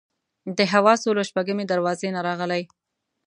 د حواسو له شپږمې دروازې نه راغلي.